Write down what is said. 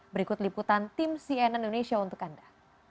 berikut liputan tim cnn indonesia untuk anda